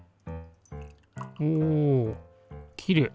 おきれい。